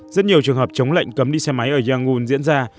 rất nhiều trường hợp chống lệnh cấm đi xe máy ở yangon diễn ra